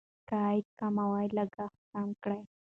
که عاید کم وي لګښت کم کړئ.